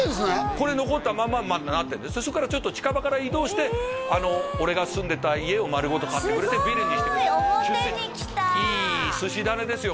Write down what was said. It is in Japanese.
これ残ったままにまだそこからちょっと近場から移動して俺が住んでた家を丸ごと買ってくれてビルにしてくれたすごい表に来たいい寿司種ですよ